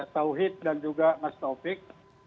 tauhid dan juga mas taufik